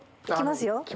行きますよ。